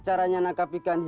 alah alah alah